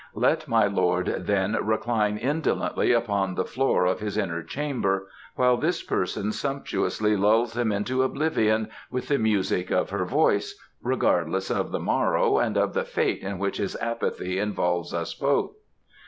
"Let my lord, then, recline indolently upon the floor of his inner chamber while this person sumptuously lulls him into oblivion with the music of her voice, regardless of the morrow and of the fate in which his apathy involves us both."